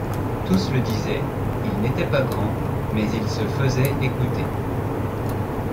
Tous le disaient, il n’était pas grand, mais il se faisait écouter.